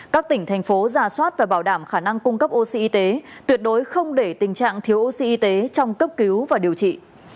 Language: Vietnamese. các tỉnh thành phố giả soát và bảo đảm khả năng cung cấp oxy tuyệt đối không để tình trạng thiếu oxy y tế trong cấp cứu và điều trị